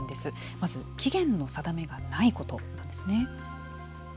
まず期限の定めがないことですね。